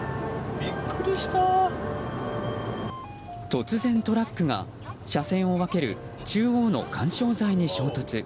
突然トラックが車線を分ける中央の緩衝材に衝突。